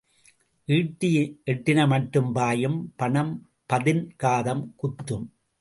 ஈட்டி எட்டின மட்டும் பாயும் பணம் பதின் காதம் குத்தும்.